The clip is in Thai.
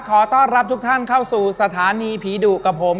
ขอต้อนรับทุกท่านเข้าสู่สถานีผีดุกับผม